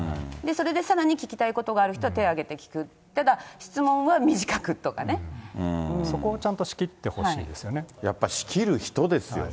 それでさらに聞きたいことがある人は手を挙げて聞く、ただ、そこをちゃんと仕切ってほしやっぱしきる人ですよね。